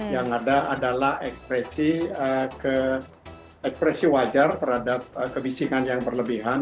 yang ada adalah ekspresi wajar terhadap kebisingan yang berlebihan